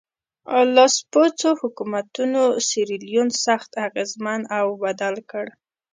لاسپوڅو حکومتونو سیریلیون سخت اغېزمن او بدل کړ.